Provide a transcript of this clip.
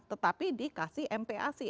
tetapi dikasih mp asi